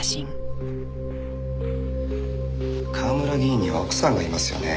川村議員には奥さんがいますよね。